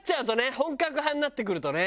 本格派になってくるとね。